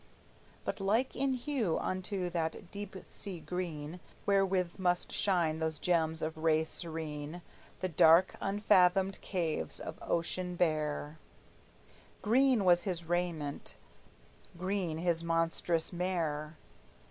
But like in hue unto that deep sea green Wherewith must shine those gems of ray serene The dark, unfathomed caves of ocean bear. Green was his raiment, green his monstrous mare.